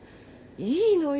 いいのよ。